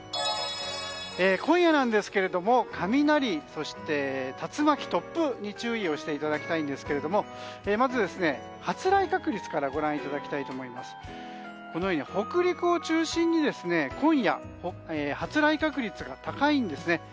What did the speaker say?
今夜なんですけれども雷、そして竜巻、突風に注意をしていただきたいんですが発雷確率からご覧いただきたいですけどこのように北陸を中心に今夜、発雷確率が高いんですね。